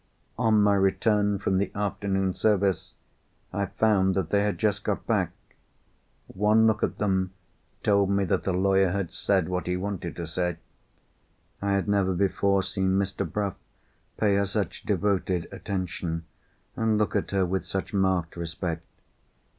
On my return from the afternoon service I found that they had just got back. One look at them told me that the lawyer had said what he wanted to say. I had never before seen Rachel so silent and so thoughtful. I had never before seen Mr. Bruff pay her such devoted attention, and look at her with such marked respect.